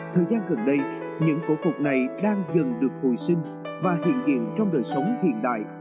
thời gian gần đây những cổ phục này đang dần được hồi sinh và hiện diện trong đời sống hiện đại